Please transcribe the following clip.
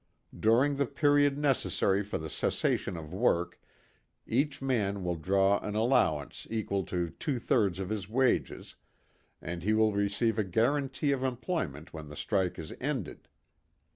During the period necessary for the cessation of work, each man will draw an allowance equal to two thirds of his wages, and he will receive a guarantee of employment when the strike is ended.